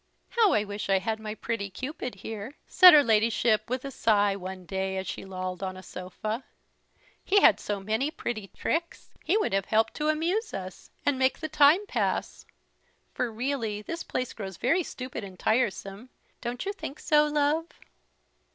"How I wish I had my pretty Cupid here," said her Ladyship, with a sigh, one day as she lolled on a sofa: "he had so many pretty tricks, he would have helped to amuse us, and make the time pass; for really this place grows very stupid and tiresome; don't you think so, love?"